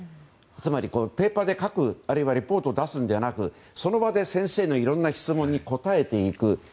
つまりペーパーで書く、あるいはレポートを出すのではなくその場で先生のいろいろな質問に答えていく。